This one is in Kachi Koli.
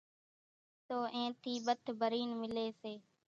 تو اين ٿي ٻٿ ڀرين ملي سي